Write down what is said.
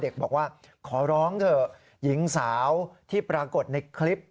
บอกว่าขอร้องเถอะหญิงสาวที่ปรากฏในคลิป